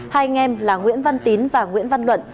hai anh em là nguyễn văn tín và nguyễn văn luận